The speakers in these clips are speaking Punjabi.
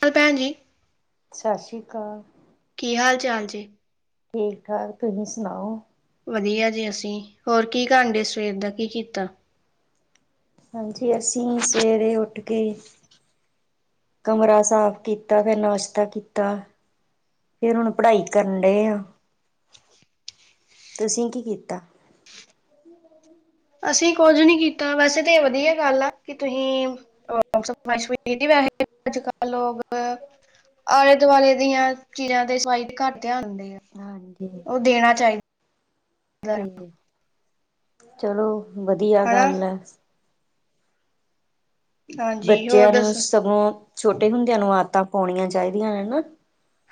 ਚਲੋ ਭੈਣ ਜੀ, ਸਤਿ ਸ਼੍ਰੀ ਅਕਾਲ, ਕੀ ਹਾਲ ਚਾਲ ਜੀ? ਠੀਕ ਠਾਕ ਤੁਸੀਂ ਸੁਣਾਓ? ਵਧੀਆ ਜੀ ਅਸੀਂ ਹੋਰ ਕੀ ਕਰਨ ਡੇ ਸਵੇਰ ਦਾ ਕੀ ਕੀਤਾ। ਹਾਂਜੀ ਅਸੀਂ ਸਵੇਰੇ ਉੱਠ ਕੇ, ਕਮਰਾ ਸਾਫ਼ ਕੀਤਾ ਫਿਰ ਨਾਸ਼ਤਾ ਕੀਤਾ। ਫੇਰ ਹੁਣ ਪੜ੍ਹਾਈ ਕਰਨ ਡਏ ਆ। ਤੁਸੀਂ ਕੀ ਕੀਤਾ? ਅਸੀਂ ਕੁੱਝ ਨੀ ਕੀਤਾ ਵੈਸੇ ਤਾਂ ਵਧੀਆ ਗੱਲ ਆ ਕਿ ਤੁਸੀਂ [unintelligible] ਅੱਜ ਕੱਲ ਲੋਕ ਆਲੇ ਦੁਆਲੇ ਦੀਆਂ ਚੀਜ਼ਾਂ ਦੇ ਸਈ ਘੱਟ, ਧਿਆਨ ਦੇ ਆ ਹਾਂਜੀ ਉਹ ਦੇਣਾ ਚਾਹੀਦਾ। ਤੇ ਚਲੋ ਵਧੀਆ ਹਨਾ ਗੱਲ ਹੈ। ਹਾਂਜੀ ਹੋਰ ਬੱਚਿਆਂ ਨੂੰ ਦੱਸੋ ਸਗੋਂ ਛੋਟੇ ਹੁੰਦਿਆਂ ਨੂੰ ਆਦਤਾਂ ਪਾਣੀਆਂ ਚਾਹੀਦੀਆਂ ਹਨਾ।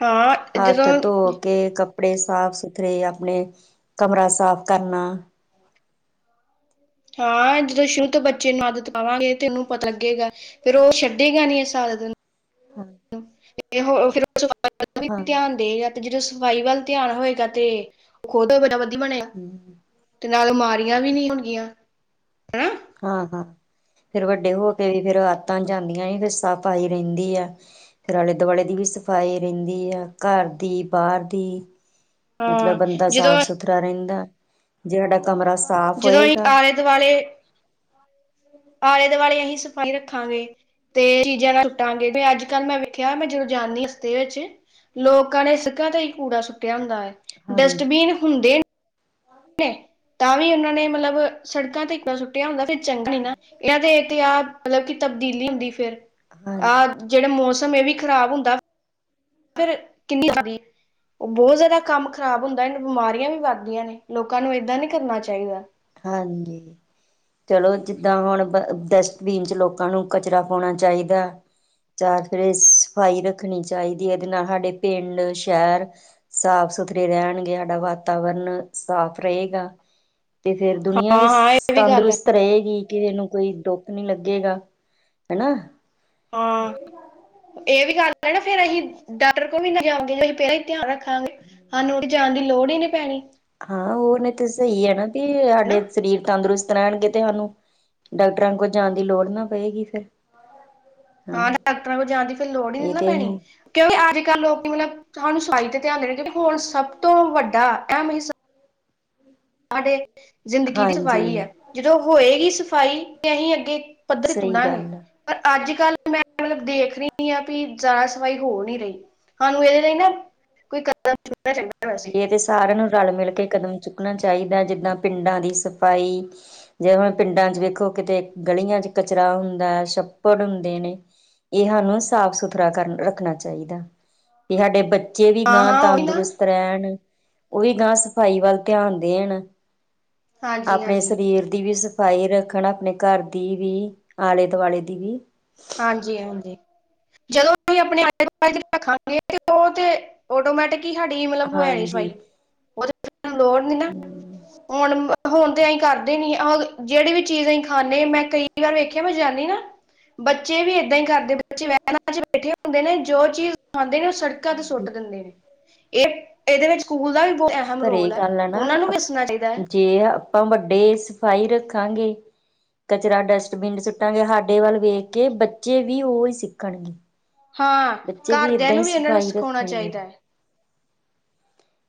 ਹਾਂ ਜਦੋਂ ਹੱਥ ਧੋ ਕੇ ਕੱ ਆਪਣੇ ਸਾਫ਼ ਸੁਥਰੇ ਆਪਣੇ ਕਮਰਾ ਸਾਫ਼ ਕਰਨਾ ਹਾਂ ਜਦੋਂ ਸ਼ੁਰੂ ਤੋਂ ਬੱਚੇ ਨੂੰ ਆਦਤ ਪਾਵਾਂਗੇ ਤੇ ਉਹਨੂੰ ਪਤਾ ਲੱਗੇਗਾ ਫੇਰ ਉਹ ਛੱਡੇਗਾ ਨੀ ਅ ਸਾਲ [inaudible] [unintelligible] [unintelligible] ਤੇ ਹਾਂ ਜਦੋਂ ਸਫ਼ਾਈ ਵੱਲ ਧਿਆਨ ਹੋਏਗਾ ਤੇ ਉਹ ਖੁਦ ਹੋ ਵਧਆ ਬਣੇਗਾ ਹਮ ਤੇ ਨਾਲ ਮਾਰ ਵੀ ਨਹੀਂੀ ਹੋਣਗੀਆਂ ਹਨਾ ਹਾਂ-ਹਾਂ ਫੇਰ ਵੱਡੇ ਹੋ ਕੇ ਵੀ ਫਰ ਆਤਾਂ ਜਾਂਦੀਆਂ ਫਿਰ ਸਫ਼ ਆਾਈ ਰਹਿੰਦੀ ਆ ਫੇਿਰ ਆਲੇ ਦੁਆਲੇ ਦੀ ਵੀ ਸਫਾਈ ਰਹਿੰਦੀ ਆ ਘਰ ਦੀ ਬਾਹਰ ਦੀ ਮਤਲਬ ਹਾਂ ਬੰਦਾ ਜਦੋਂ ਸਾਫ ਸੁਥਰਾ ਰਹਿੰਦਾ ਜਿਹਡਾ ਕਮਰਾ ਸਾਫ਼ ਜਦੋਂ ਅਸੀਂ ਹੋਏਗਾ ਆਲੇ ਦੁਆਲੇ ਆਲੇ ਦੁਆਲੇ ਅਸੀਂ ਸਫ਼ਾਈ ਰੱਖਾਂਗੇ ਤੇ ਚੀਜ਼ਾਂ ਨਾਲ ਸੁੁੱਟਾਂਗੇ ਤੇ ਅੱਜ ਕੱਲ੍ਹ ਮੈਂ ਵੇਖਿਆ ਮੈਂ ਜਦੋਂ ਜਾਣਦੀ ਹਸਤੇ ਵਿੱਚ ਲੋਕਾਂ ਨੇ ਸੱਕਾਂ ਤੇ ਹੀ ਕੂੜਾ ਸੁੱਟਿਆ ਹੁੰਦਾ ਹੈ ਹਾਂਜੀ। ਡਸਟਬੀਨ ਹੁੰਦੇ [inaudible] ਤਾਂ ਵੀ ਉਹਨਾਂ ਨੇ ਮਤਲਬ ਸੜਕਾਂ ਤੇ ਇੱਕਾਰ ਸੁੱਟਿਆ ਹੁੰਦਾ ਫਿਰ ਚੰਗਾ ਨ ਨਾ ਇਹਨਾਂ ਦੇ ਆਹ ਮਤਲਬ ਤਬਦੀਲੀ ਹੁੰਦੀ ਫਿਰ ਹਾਂ ਆਹ ਜਿਹੜਾ ਮੌਸਮ ਇਹ ਵੀ ਖ਼ਰਾਬ ਹੁੰਦਾ ਫਿਰ ਕਿੰਨੀ ਉਹ ਬਹੁਤ ਜ਼ਿਆਦਾ ਕੰਮ ਖ਼ਰਾਬ ਹੁੰਦਾ ਦਾਂਨੂੰ ਬਿਮਾਰੀਆਂ ਵੀ ਵੱਧਦੀਆਂ ਨੇ ਲੋਕਾਂ ਨੂੰ ਏਦਾਂ ਨੀ ਕਰਨਾ ਚਾਹੀਦਾ ਹਾਂਜੀ ਚਲੋ ਜਿੱਦਾਂ ਹੁਣ ਬ ਡਸਟਬੀਨ ਚ ਲੋਕਾਂ ਨੂੰ ਕਚਰਾ ਪਾਉਣਾ ਚਾਹੀਦਾ ਚਾਰ ਫਿਰ ਸਫ਼ਾਈ ਰੱਖਣੀ ਚਾਹੀਦੀ ਇਹਦੇ ਨਾਲ ਸਾਡੇ ਪਿੰਡ ਸ਼ਹਿਰ ਸਾਫ ਸਾ ਸੁਥਰੇ ਰਹਿਣਗੇ ਸਾਡਾ ਵਾਤਾਵਰਨ ਸਾਫ਼ ਰਹੇਗਾ [inaudible] ਤੇ ਫੇਿਰ ਹਾਂ ਦੁਨੀਆਂ ਵੀ ਹਾਂ ਇਹ ਵੀ ਗੱਲ ਹੈ ਤੰਦਰੁਸਤ ਰਹੇਗੀ ਕਿਸੇ ਨੂੰ ਕੋਈ ਡੋ ਨੀ ਲੱਗੇਗਾ ਹਨਨਾ ਕਰ ਨਾ ਫੇਰ ਅਸੀਂ ਡਾਕਟਰ ਕੋਲ ਵੀ ਨਾ ਜਾਓਗੇ ਅਸੀਂ ਪਹਿਲਾਂ ਹੀ ਧਿਆਨ ਰੱਖਾਂਗੇ ਸਾਨੂੰ ਜਾਣ ਦੀ ਲੋੜ ਹੀ ਨੀ ਪੈਣੀ ਹਾਂ ਉਹਨੇ ਤੇ ਸਹੀ ਹੈ ਨਾ ਵੀ ਸਾਡੇ ਹਨਾ ਸਰੀਰ ਤੰਦਰੁਸਤ ਣਾਹਿਣਗੇ ਤੇ ਸਾਨੂੰ ਡਾਕਟਰਾਂ ਕੋਲ ਜਾਣ ਦੀ ਲੋੜ ਨਾ ਪਏਗੀ ਫਿਰ ਹਾਂ ਡਾਕਟਰਾਂ ਕੋਲ ਜਾਣ ਦੀ ਫਿਰ ਲੋੜ ਹੀ ਨ ਇਹ ਨਾ ਤੇ ਪੈਣੀ ਅਸੀਂ ਕਿਉਂਕਿ ਅੱਜ ਕੱਲ੍ਹ ਲੋਕ ਮਤਲਬ ਸਹਾਨੂੰ ਸਾਹੀ ਤੇ ਧਿਆਨ ਦੇਣਗੇਂਕ ਹੁਣ ਸਭ ਤੋਂ ਵੱਡਾ ਐਮ ਹ ਸਾਡੇ ਜ਼ਿੰਦਗੀ ਦੀ ਸਫ਼ਾਈ ਹਾਂਜੀ ਹੈ ਜਦੋਂ ਹੋਏਗੀ ਸਫ਼ਾਈ ਤੇ ਅਸੀਂ ਅੱਗੇ ਸਹੀ ਗੱਲ ਆ [unintelligible] ਮਤਲਬ ਦੇਖ ਰਹੀ ਆ ਵੀ ਜ਼ਿਆਦਾ ਸਫ਼ਾਈ ਹੋ ਨੀ ਰਹੀ ਸਾਨੂੰ ਇਹਦੇ ਲਈ ਨਾ ਕੋਈ ਕ ਹਾਂਜੀ ਇਹ ਤੇ ਸਾਰਿਆਂ ਨੂੰ ਰਲ ਮਿਲ ਕੇ ਕਦਮ ਚੁੱਕਣਾ ਚਾਹੀਦਾ ਜਿੱਦਾਂ ਪਿੰਡਾਂ ਦੀ ਸਫ਼ਾਈ ਜੇ ਹੁਣ ਪਿੰਡਾਂ ਚ ਵੇਖੋ ਕਿਤੇ ਗਲੀਆਂ ਚ ਕਚਰਾ ਹੁੰਦਾ ਹੈ ਛੱਪੜ ਹੁੰਦੇ ਨੇ ਇਹ ਸਾਨੂੰ ਸਾਫ ਸੁਥਰਾ ਕਰ ਰੱਖਣਾ ਚਾਹੀਦਾ ਤੇ ਸਾਡੇ ਬ ਜੇ ਵੀ ਹਾਂ ਗਾਂ ਹਾਂ ਉਹੀ ਨਾ ਤੰਦਰੁਸਤ ਰਹਿਣ ਉਹ ਵੀ ਗਾਂ ਸਫ਼ਾਈ ਵੱਲ ਧਿਆਨ ਦੇਣ ਹਾਂਜੀ ਆਪਣੇ ਹਾਂਜੀ ਸਰੀਰ ਦੀ ਵੀ ਸਫਾਈ ਰੱਖਣ ਆਪਣੇ ਘਰ ਦੀ ਵੀ ਆਲੇ ਦੁਆਲੇ ਦੀ ਵੀ ਹਾਂਜੀ-ਹਾਂਜੀ ਜਦੋਂ ਅਸੀਂ ਆਪਣੇ ਆ ਦੁਆ ਰੱਖਾਂਗੇ ਤੇ ਉਹ ਤੇ ਆਟੋਮੈਟਿਕ ਕੀ ਸਾਡੀ ਮਤਲਬ ਹੋਇਆ ਨੀ ਹਾਂਜੀ ਸਵਾਈ ਉਹਦੇ ਲੋੜ ਨੀ ਨਾ ਹਮ ਹੁਣ-ਹੁਣ ਅਸੀਂ ਕਰਦੇ ਨੀ ਉਹ ਜਿਹੜੀ ਵੀ ਚੀਜ਼ ਅਸੀਂ ਖਾਂਦੇ ਮੈਂ ਕਈ ਵਾਰ ਵੇਖਿਆ ਮੈਂ ਜਾਂਦੀ ਨਾ ਬੱਚੇ ਵੀ ਏਦਾਂ ਹੀ ਕਰਦੇ ਬੱਚੇ ਵਹਿਰਾਂ ਚ ਬੈਠੇ ਹੁੰਦੇ ਨੇ ਜੋ ਚੀਜ਼ ਖਾਂਦੇ ਨੇ ਸੜਕਾਂ ਤੇ ਹਾਂਜੀ ਸੁੱਟ ਦਿੰਦੇ ਨੇ ਇਹ ਇਹਦੇ ਵਿੱਚ ਸਕੂਲ ਦਾ ਵੀ ਬਹੁਤ ਅਹਿਮ ਪਰ ਇਹ ਰੋਲ ਗੱਲ ਹੈ ਨਾ ਉਹਨਾਂ ਨੂੰ ਵੀ ਦੱਸਣਾ ਚਾਹੀਦਾ ਹੈ ਜੇ ਆਪਾਂ ਵੱਡੇ ਸਫ਼ਾਈ ਰੱਖਾਂਗੇ ਕਚਰਾ ਡਸਟਬਿਨ ਸੁੱਟਾਂਗੇ ਸਾਡੇ ਵੱਲ ਵੇਖ ਕੇ ਬੱਚੇ ਵੀ ਉਹਹੀ ਸਿੱਖਣਗੇ ਹਾਂ ਬੱਚੇ ਵੀ ਘਰਦਿਆਂ ਏਦਾਂ ਹੀ ਨੂੰ ਇਹਨਾਂ ਨੂੰ ਸਫ਼ਾਈ ਸਿਖਾਉਣਾ ਰੱਖਣਗੇ ਚਾਹੀਦਾ ਹੈ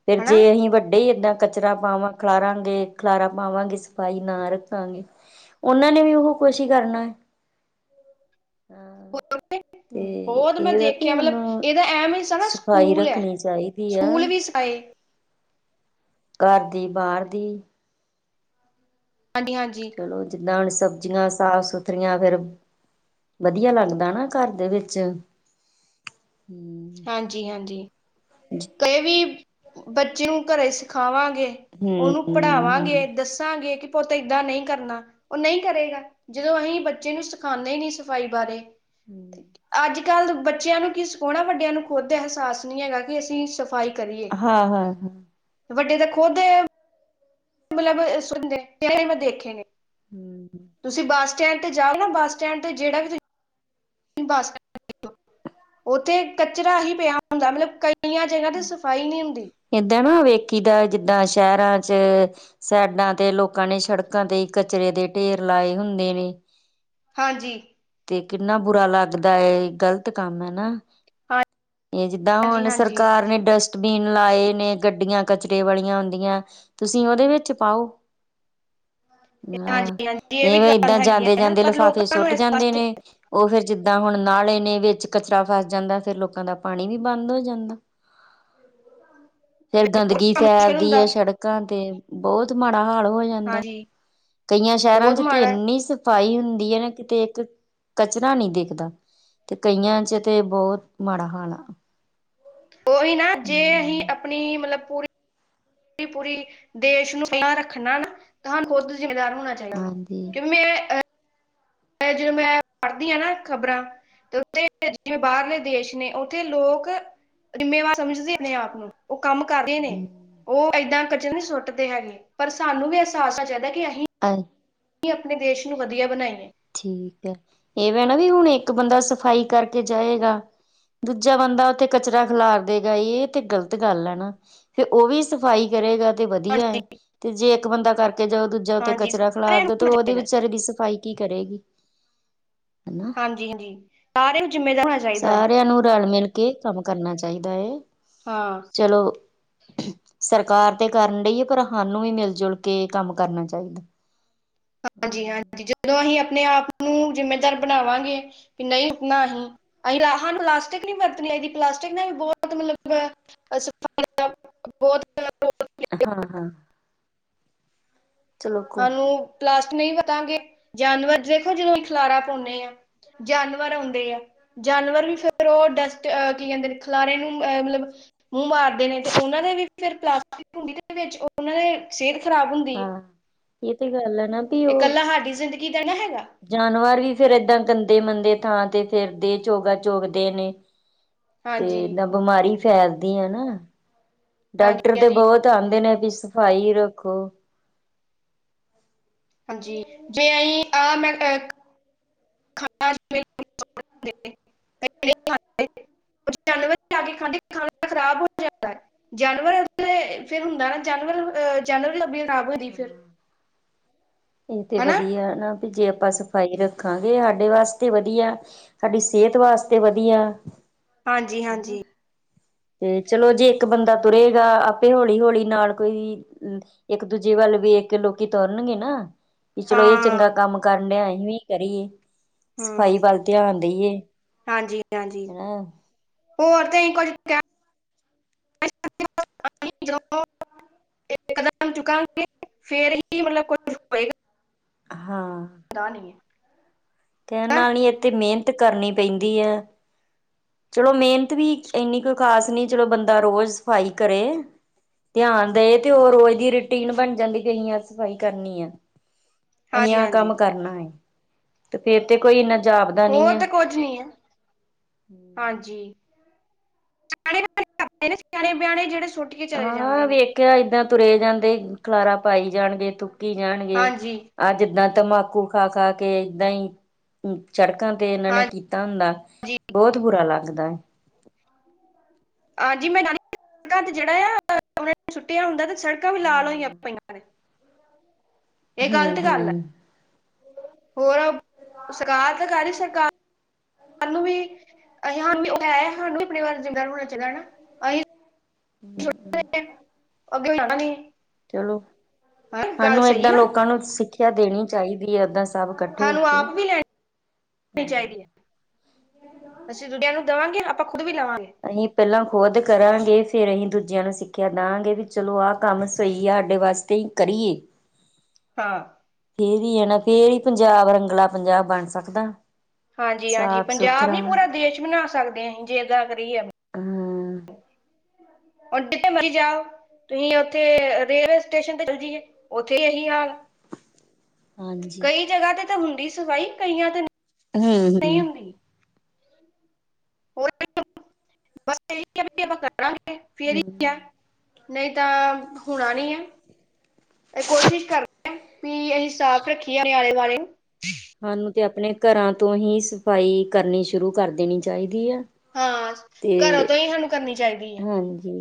ਫੇਰ ਜੇ ਹਨਾ ਅਸੀਂ ਵੱਡੇ ਹੀ ਏਦਾਂ ਕਚਰਾ ਪਾਵਾਂ ਖਲਾਰਾਂਗੇ ਖਲਾਰਾ ਪਾਵਾਂਗੇ ਸਫ਼ਾਈ ਨਾ ਰੱਖਾਂਗੇ ਉਹਨਾਂ ਨੇ ਵੀ ਉਹ ਕੁਛ ਹੀ ਕਰਨਾ ਹੈ ਹਾਂ [inaudible] ਤੇ ਬਹੁਤ ਮੈਂ ਇਹ ਵ ਵੀ ਦੇਖਿਆ ਮਤਲਬ ਸਾਨੂੰ ਇਹਦਾ ਐਮ [inaudible] ਨਾ ਸਫ਼ਾਈ ਸਕੂਲ ਹੈ ਰੱਖਣੀ ਚਾਹੀਦੀ ਆ ਸਕੂਲ ਵੀ ਸਏ ਘਰ ਦੀ ਬਾਹਰ ਦੀ ਹਾਂਜੀ ਹਾਂਜੀ ਚਲੋ ਜਿੱਦਾਂ ਹੁਣ ਸਬਜ਼ੀਆਂ ਸਾਫ ਸੁਥਰੀਆਂ ਫੇਰ ਵਧੀਆ ਲੱਗਦਾ ਨਾ ਘਰ ਦੇ ਵਿੱਚ ਹਾਂਜੀ ਹਾਂਜੀ ਕਈ ਵੀ ਬੱਚੇ ਨੂੰ ਘਰੋਂ ਸਿਖਾਵਾਂਗੇ ਉਹਨੂੰ ਹਮ ਪੜ੍ਹਾਵਾਂਗੇ ਦੱਸਾਂਗੇ ਕਿ ਪੁਤ ਏਦਾਂ ਨਹੀਂ ਕਰਨਾ ਉਹ ਨਹੀਂ ਕਰੇਗਾ ਜਦੋਂ ਅਸੀਂ ਬੱਚੇ ਨੂੰ ਸਿਖਾਉਂਦੇ ਹੀ ਨਹੀਂ ਸਫ਼ਾਈ ਬਾਰੇ ਹਮ ਅੱਜ ਕੱਲ ਬੱਚਿਆਂ ਨੂੰ ਕੀ ਸਿਖਾਉਣਾ ਵੱਡਿਆਂ ਨੂੰ ਖੁੱਦ ਅਹਿਸਾਸ ਨਹੀਂ ਹੈਗਾ ਕਿ ਅਸੀਂ ਸਫਾਈ ਹਾਂ ਹਾਂ ਹ ਵੱਡੇ ਤਾਂ ਖੁਦ ਮਤਲਬ ਸੁਦੇ [inaudible] ਮ ਦੇਖੇ ਨੇ ਹਮ ਤੁਸੀਂ ਬੱਸ ਸਟੈਂਡ ਤੇ ਜਾਓ ਨਾ ਬੱਸ ਸਟੈਂਡ ਤੇ ਜਿਹੜਾ ਵੀ ਤੁਸੀਂ [inaudible] ਉੱਥੇ ਕਚਰਾ ਹੀ ਪਿਆ ਹੁੰਦਾ ਮਤਲਬ ਕਈਆਂ ਜਗ੍ਹਾ ਤੇ ਸਫ਼ਾਈ ਨਹੀਂ ਹੁੰਦੀ ਕਿਦਾ ਜਿੱਦਾਂ ਸ਼ਹਿਰਾਂ ਚ ਸਾਈਡਾਂ ਤੇ ਲੋਕਾਂ ਨੇ ਸੜਕਾਂ ਤੇ ਕਚਰੇ ਦੇ ਢੇਰ ਲਾਏ ਹੁੰਦੇ ਨੇ ਹਾਂਜੀ ਤੇ ਕਿੰਨਾ ਬੁਰਾ ਲੱਗਦਾ ਇਹ ਗ਼ਲਤ ਕੰਮ ਹੈ ਨਾ ਇਹ ਜਿੱਦਾਂ ਹਾਂਜੀ ਹੁਣ ਸਰ ਹਾਂਜੀ ਕਾਰ ਨੇ ਡਸਟ ਬੀਨ ਲਾਏ ਨੇ ਗੱਡੀਆਂ ਕਚਰੇ ਵਾਲੀਆਂ ਔਦੀਆਂ ਤੁਸੀਂ ਉਹਦੇ ਵਿੱਚ ਪਾਓ [inaudible] ਆਹ ਹਾਂਜੀ ਇਹ ਵੀ ਇਹਵੇ ਗੱਲ ਏਦਾਂ ਹੈਗੀ ਜਾਂਦੇ ਹੈ ਨਾ ਜਾਂਦੇ ਪਰ ਲਿਫਾਫੇ ਲੋਕਾਂ ਨੂੰ ਸੁੱਟ ਇਸ ਜਾਂਦੇ ਪਾਸੇ ਨੇ ਉਹ ਫੇਰ ਜਿੱਦਾਂ ਹੁਣ ਨਾਲੇ ਨੇ ਵਿੱਚ ਕਚਰਾ ਫਸ ਜਾਂਦਾ ਫਿਰ ਲੋਕਾਂ ਦਾ ਪਾਣੀ ਵੀ ਬੰਦ ਹੋ ਜਾਂਦਾ ਫੇਰ ਗੰਦਗੀ ਮੁਸ਼ਕਿਲ ਫੈਲਦੀ ਹੁੰਦਾ ਹੈ ਸ਼ੜਕਾਂ ਤੇ ਬਹੁਤ ਮਨ ਬੁਰਾ ਹਾਲ ਹੋ ਜਾਂਦਾ ਹਾਂਜੀ ਕਈਆਂ ਸ਼ਹਿਰਾਂ ਬਹੁਤ ਚ ਤੇ ਮਾੜਾ ਹੈ ਇੰਨੀ ਸਫਾਈ ਹੁੰਦੀ ਹੈ ਨਾ ਕਿਤੇ ਇੱਕ ਕਚਰਾ ਨਹੀਂ ਦੇਖਦਾ ਤੇ ਕਈਆਂ ਚ ਤੇ ਬਹੁਤ ਮਾੜਾ ਹਾਲ ਆ ਉਓਹੀ ਨਾ ਜੇ ਹੂੰ ਅਹੀਂ ਆਪਣੀ ਮਤਲਬ ਪੂਰੀ ਪੂਰੀ ਦੇਸ਼ ਨੂੰ ਸੋਣਾ ਰੱਖਣਾ ਨਾ ਤੁਹਾਨੂੰ ਖੁਦ ਜਿੰਮੇਦਾਰ ਹੋਣਾ ਚਾਹੀਦਾ ਵਾ ਹਾਂਜੀ। ਕਿ ਮੈਂ ਜਿਵੇਂ ਮੈਂ ਐ ਪੜ੍ਹਦੀ ਹਾਂ ਨਾ ਖ਼ਬਰਾਂ ਤੇ ਉੱਥੇ ਜਿਵੇਂ ਬਾਹਰਲੇ ਦੇਸ਼ ਨੇ ਉੱਥੇ ਲੋਕ ਜਿੰਮੇਵਾਰ ਸਮਝਦੇ ਨੇ ਆਪ ਨੂੰ ਉਹ ਕੰਮ ਕਰਦੇ ਨੇ ਉਹ ਏਦਾਂ ਕਚਰਾ ਨਹੀਂ ਸੁੱਟਦੇ ਹੈਗੇ ਪਰ ਸਾਨੂੰ ਵੀ ਅਹਿਸਾਸ ਹੋਨਾ ਚਾਹੀਦਾ ਕਿ [inaudible] ਕਿ ਆਪਣੇ ਦੇਸ਼ ਨੂੰ ਵਧੀਆ ਬਣਾਈਏ ਠੀਕ ਹੈ ਇਹਵੇ ਨਾ ਵੀ ਹੁਣ ਇੱਕ ਬੰਦਾ ਸਫ਼ਾਈ ਕਰਕੇ ਜਾਏਗਾ ਦੂਜਾ ਬੰਦਾ ਉੱਥੇ ਕਚਰਾ ਖਿਲਾਰ ਦੇਗਾ ਇਹ ਤੇ ਗ਼ਲਤ ਗੱਲ ਹੈ ਨਾ ਫਿਰ ਉਹ ਵੀ ਸਫ਼ਾਈ ਕਰੇਗਾ ਤੇ ਵਧੀਆ ਹਾਂਜੀ ਹੈ ਤੇ ਜੇ ਇੱਕ ਬੰਦਾ ਕਰਕੇ ਜਾਓ ਦੂਜਾ ਉੱਤੇ ਹਾਂਜੀ ਕਚਰਾ ਸਾਰਿਆਂ ਨੂੰ ਖਿਲਾਰਦੇ ਤੇ ਹੋਣਾ ਉਹਦੇ ਚਾਹੀਦਾ ਵਿਚਾਰੇ ਦੀ ਸਫ਼ਾਈ ਕਿ ਕਰੇਗੀ ਹਨਾ ਹਾਂਜੀ ਹਾਂਜੀ ਸਾਰੀਆਂ ਨੂੰ ਜਿੰਮੇਦਾਰ ਹੋਣਾ ਚਾਹੀਦਾ ਹੈ ਕੀ ਕੰਮ ਕਰਨਾ ਚਾਹੀਦਾ ਹੈ ਹਾਂ ਸਰਕਾਰ ਤੇ ਕਰਨ ਡਹੀ ਹੈ ਪਰ ਸਾਨੂੰ ਵੀ ਮਿਲ ਜੁਲ ਕੇ ਕੰਮ ਕਰਨਾ ਚਾਹੀਦਾ ਹਾਂਜ ਹਾਂਜੀ ਜਦੋਂ ਵੀ ਅਪਾ ਆਪਣੇ ਆਪ ਨੂੰ ਜਿੰਮੇਦਾਰ ਬਣਾਵਾਂਗੇ ਕਿ ਨਹੀਂ ਉਤਣਾ ਅਸੀਂ ਅਸੀਂ ਰਾਹ ਪਲਾਸਟਿਕ ਨੀ ਵਰਤਣੀ [unintelligible] ਹਾ ਹਾ ਸਾਨੂੰ ਪਲਾਸਟ ਨਹੀਂ ਪਤਾਗੇ ਜਾਨਵਰ ਦੇਖੋ ਜਦੋਂ ਖਲਾਰਾ ਪਾਉਂਦੇ ਆ ਜਾਨਵਰ ਹੁੰਦੇ ਐ, ਜਾਨਵਰ ਵੀ ਫਿਰ ਓਹ ਡਸਟ ਅ ਕਿ ਕਹਿੰਦੇ ਅ ਖਿਲਾਰੇ ਨੂੰ ਮਤਲਬ ਮੂੰਹ ਮਾਰਦੇ ਨੇ ਤੇ ਉਹਨਾਂ ਦੇ ਵੀ ਫਿਰ ਪਲਾਸਟਿਕ ਭੁੰਡੀ ਦੇ ਵਿੱਚ ਉਹਨਾਂ ਦੇ ਸਿਹਤ ਖ਼ਰਾਬ ਹੁੰਦੀ ਹੈ ਹਾਂ ਇਹ ਤੇ ਗੱਲ ਹੈ ਨਾ ਵੀ ਇਹ ਇਕੱਲਾ ਉਹ ਸਾਡੀ ਜ਼ਿੰਦਗੀ ਦਾ ਨਾ ਹੈਗਾ। ਜਾਨਵਰ ਵੀ ਫੇਿਰ ਏਦਾਂ ਗੰਦੇ ਮੰੰਦੇ ਥਾਂ ਤੇ ਫੇਿਰਦੇ ਚੋਗਾ ਚੋਗਦੇ ਨੇ ਹਾਂਜੀ, ਤੇ ਨਾ ਬਿਮਾਰੀ ਫੈਲਦੀ ਆ ਨਾ ਹਾਂਜੀ, ਡਾਕਟਰ ਤੇ ਹਾਂਜੀ, ਬਹੁਤ ਆਉਂਦੇ ਨੇ ਵੀ ਸਫਾਈ ਰੱਖੋ [unintelligible] [inaudible] ਸਾਡੀ ਹਾਲਤ ਤੇ ਖਰਾਬ ਹੋ ਜਾਂਦੀ ਹੈ [unintelligible] ਹਾਂ ਫਿਰ ਇਹ ਤੇ ਹਨਾ ਵਧੀਆ ਨਾ ਵੀ ਜੇ ਆਪਾਂ ਭਾਈ ਰੱਖਾਂਗੇ ਸਾਡੇ ਵਾਸਤੇ ਵਧੀਆ ਸਾਡੀ ਸਿਹਤ ਵਾਸਤੇ ਵਧੀਆ ਹਾਂਜੀ ਹਨਾ। ਹਾਂਜੀ ਤੇ ਚਲੋ ਜੇ ਇੱਕ ਬੰਦਾ ਤੁਰੇਗਾ ਆਪੇ ਹੌਲੀ-ਹੌਲੀ ਨਾਲ ਕੋਈ ਇੱਕ ਦੂਜੀੇ ਵੱਲ ਵੀ ਇੱਕ ਲੋਕੀ ਤੁਰਨਗੇ ਨਾ ਵੀ ਚਲੋ ਇਹ ਹਾਂ ਚੰਗਾ ਕੰਮ ਕਰ ਨੇ ਆਏ ਵੀ ਕਰੀਏ ਸਫ਼ਾਈ ਹਮ ਵੱਲ ਧਿਆਨ ਦੇਈਏ ਹਾਂਜੀ ਹਾਂਜੀ ਹਨਾ ਹੋਰ ਤੇ ਅਸੀਂ ਕੁੱਝ [inaudible] ਇਕਦਮ ਚੁੱਕਾਂਗੇ ਫੇਰ ਹੀ ਮਤਲਬ ਕੁਛ ਹੋਏਗਾ ਹਾਂ ਹੁੰਦਾ ਨਹੀਂ ਹੈ ਕਹਿਣ ਹੈਂ। ਨਾਲੀ ਇਥੇ ਮਿਹਨਤ ਕਰਨੀ ਪੈਂਦੀ ਹੈ ਚਲੋ ਮਿਹਨਤ ਵੀ ਇੰਨੀ ਕੋਈ ਖ਼ਾਸ ਨਹੀਂੀ ਚਲੋ ਬੰਦਾ ਰੋਜ਼ ਸਫ਼ਾਈ ਕਰੇ ਧਿਆਨ ਦੇਏ ਤੇ ਉਹ ਰੋਜ਼ ਦੀ ਰੂਟੀਨ ਬਣ ਜਾਂਦੀ ਕਿਸੀ ਸਫ਼ਾਈ ਕਰਨੀ ਹੈ ਅਸੀਂ ਹਾਂਜੀ ਆਹ ਹਾਂਜੀ ਕੰਮ ਕਰਨਾ ਤੇ ਫੇਰ ਤੇ ਕੋਈ ਇਨਾ ਹੋਰ ਤੇ ਕੁਝ ਨੀ ਆ ਹਾਂਜੀ ਸਣੇ ਨੇ ਸਿਆਣੇ ਵਿਿਆਣੇ ਜਿਹੜੇ ਸੁੱਟ ਕੇ ਚਲੇ ਹਾਂ ਜਾਂਦੇ ਨੇ ਵੇਖਿਆ ਏਦਾਂ ਤੁਰੇ ਜਾਂਦੇ ਖਲਾਰਾ ਪਾਈ ਜਾਣਗੇ ਤੂੰ ਕੀ ਜਾਣਗੇ ਹਾਂਜੀ ਆਹ ਜਿੱਦਾਂ ਤੰਬਾਕੂ ਖਾ-ਖਾ ਕੇ ਏਦਾਂ ਹੀ ਸੜਕਾਂ ਤੇ ਇਹਨਾਂ ਨੇ ਹਾਂਜੀ ਕੀਤਾ ਹੁੰਦਾ ਬਹੁਤ ਬੁਰਾ ਲੱਗਦਾ ਹੈ ਹਾਂਜੀ ਮੈਂ ਨਾਨੀ ਸੜਕਾਂ ਤੇ ਜਿਹੜਾ ਆ ਉਹਨਾਂ ਨੇ ਸੁੱਟਿਆ ਹੁੰਦਾ ਤੇ ਸੜਕਾਂ ਵੀ ਲਾਲ ਹੋਈਆਂ ਪਈਆਂ [inaudible] ਇਹ ਗ਼ਲਤ ਗੱਲ ਹਮ-ਹਮ ਹੈ ਹੋਰ ਸਰਕਾਰ ਤਾਂ ਕਰਹੀ ਸਰਕਾਰ [inaudible] ਅੱਗੇ ਵੀ ਜਾਣਾ ਨੀ ਚਲੋ ਸਾਨੂੰ ਸਹੀ ਏਦਾਂ ਨਾ ਲੋਕਾਂ ਨੂੰ ਸਿੱਖਿਆ ਦੇਣੀ ਚਾਹੀਦੀ ਹੈ ਏਦਾਂ ਸਭ ਇਕੱਠੇ ਹੋ ਸਾਨੂੰ ਕੇ ਆਪ ਵੀ ਲੈਣੀਣੀ ਚਾਹੀਦੀ ਹੈ ਅਸੀਂ ਦੂਜਿਆਂ ਨੂੰ ਦੇਵਾਂਗੇ ਆਪਾਂ ਖੁਦ ਵੀ ਲਵਾਂਗੇ ਅਸੀਂ ਪਹਿਲਾਂ ਖੁਦ ਕਰਾਂਗੇ ਫੇਰ ਅਸੀਂ ਦੂਜੇ ਦੂਜਿਆਂ ਨੂੰ ਸਿੱਖਿਆ ਦਾਂਗੇ ਵੀ ਚਲੋ ਆਹ ਕੰਮ ਸਹੀ ਆ ਸਾਡੇ ਵਾਸਤੇ ਹੀ ਕਰੀਏ। ਹਾਂ। ਫੇਰ ਨਾ ਫੇਿਰਰ ਹੀ ਪੰਜਾਬ ਰੰਗਲਾ ਪੰਜਾਬ ਬਣ ਸਕਦਾ। ਹਾਂਜੀ ਹਾਂਜੀ ਸਾਫ਼ ਪੰਜਾਬ ਨੀ ਸੁਥਰਾ ਪੂਰਾ ਦੇਸ਼ ਬਣਾ ਸਕਦੇ ਹਸੀ ਜੇੱ ਗਾਂ ਕਰੀਏ। ਹਮ। ਹੁਣ ਜਿੱਥੇ ਮਰੀ ਜਾਓ। ਤੁਸੀਂ ਉੱਥੇ ਰੇਲਵੇ ਸਟੇਸ਼ਨ ਤੇ ਚੱਲ ਜਾਈਏ ਉੱਥੇ ਇਹੀ ਹਾਲ। ਹਾਂਜੀ। ਕਈ ਜਗ੍ਹਾ ਤੇ ਤਾਂ ਹੁੰਦੀ ਸਫਾਈ ਕਈਆਂ ਤੇ ਹਮ ਹਮ। ਨਹੀਂ ਰਾਂਾਂਗੇ ਫਿਰ ਹੂੰ, ਨਹੀਂ ਤਾਂ ਹੋਣਾ ਨੀ ਹੈ। ਇਹ ਕੋਸ਼ਿਸ਼ ਕਰ ਰਿ ਵੀ ਅਸੀਂ ਸਾਫ਼ ਰੱਖੀਏ ਆਿਆਲੇ ਵਾਲਆਲੇ ਨੂੰ ਅਤੇ ਆਪਣੇ ਘਰਾਂ ਤੋਂ ਹੀ ਸਫਾਈ ਕਰਨੀ ਸ਼ੁਰੂ ਕਰ ਦੇਣੀ ਚਾਹੀਦੀ ਆ। ਹਾਂ ਤੇ ਘਰੋਂ ਤੋਂ ਹੀ ਸਾਨੂੰ ਕਰਨੀ ਚਾਹੀਦੀ ਹੈ। ਹਾਂਜੀ।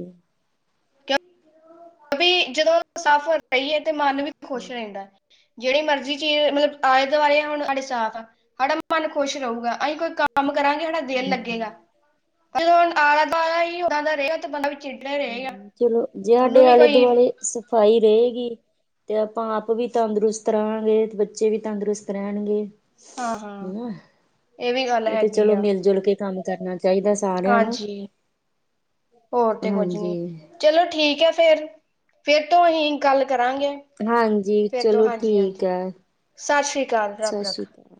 ਜਦੋਂ ਉਹ ਸਾਫ਼ ਰਹੀ ਹੈ ਤੇ ਮਨ ਵੀ ਖੁਸ਼ ਰਹਿੰਦਾ। ਜਿਹੜੀ ਮਰਜ਼ੀ ਚੀਜ਼ ਮਤਲਬ ਆਲੇ ਦੁਆਲੇ ਆ ਹੁਣ ਸਾਡੇ ਸਾਫ਼ ਆ ਸਾਡਾ ਮਨ ਖੁਸ਼ ਰਹਹੇਗਾ ਅਸੀਂ ਕੋਈ ਕੰਮ ਕਰਾਂਗੇ ਹਾ ਦਿਲ ਲੱਗੇਗਾ ਹੂੰ, ਪਰ ਜਦੋਂ ਹੁਣ ਆਲਾ ਦੁਲਾ ਹੀਾਂ ਦਾ ਰ ਤੇ ਬੰਦਾ ਚਿੜਚਿੜਾ ਰਹੇਗਾ ਹਮ ਚਲੋ ਜੇ ਉਹਨੂੰ ਸਾਡੇ ਵੀ ਆਲੇ ਕੋਈ ਦੁਆਲੇ ਸਫ਼ਾਈ ਰਹੇਗੀ। ਤੇ ਆਪਾਂ ਆਪ ਵੀ ਤੰਦਰੁਸਤ ਰਹਾਂਗੇ ਤੇ ਬੱਚੇ ਵੀ ਤੰਦਰੁਸਤ ਰਹਿਣਗੇ। ਹਾਂ ਹਾਂ ਹਨ ਵੀ ਗੱਲ ਇਹ ਤੇ ਹੈਗੀ ਚਲੋ ਆ ਮਿਲ ਜੁਲ ਕੇ ਕੰਮ ਕਰਨਾ ਚਾਹੀਦਾ ਸਾਰਿਆਂ ਨੂੰ। ਹਾਂਜੀ ਹੋਰ। ਕੁੱਝ ਨੀ ਹਾਂਜੀ, ਚਲੋ ਠੀਕ ਹੈ ਫੇਰ ਫੇਰ ਤੋਂ ਅਸੀਂ ਗੱਲ ਕਰਾਂਗੇ ਹਾਂਜੀ ਫੇਰ ਤੋਂ ਚਲੋ ਹਾਂਜੀ ਠੀਕ ਹਾਂਜੀ। ਐ, ਸਤਿ ਸ੍ਰੀ ਅਕਾਲ ਰੱਬ ਸਤਿ ਸ਼੍ਰੀ ਰੱਖ। ਅਕਾਲ।